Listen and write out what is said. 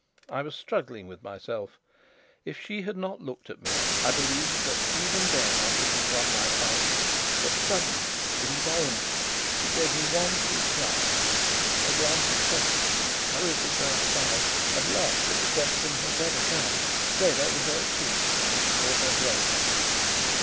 I was struggling with myself: if she had not looked at me, I believe that even then I should have won my fight. But suddenly, involuntarily, she gave me one brief glance a glance of question, hurriedly turned aside; a blush that the question had ever come spread over her cheek, and she caught her breath.